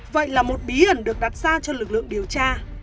vậy là một bí ẩn được đặt ra cho lực lượng điều tra